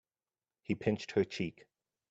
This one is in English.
He pinched her cheek.